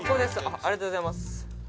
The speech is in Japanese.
ありがとうございます」